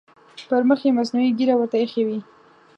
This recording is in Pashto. پر مخ یې مصنوعي ږیره ورته اېښې وي.